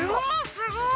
すごい。